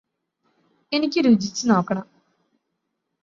എനിക്ക് രുചിച്ച് നോക്കണം